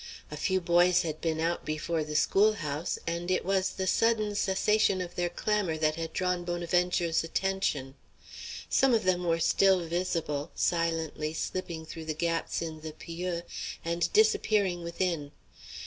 A few boys had been out before the schoolhouse, and it was the sudden cessation of their clamor that had drawn Bonaventure's attention. Some of them were still visible, silently slipping through the gaps in the pieux and disappearing within.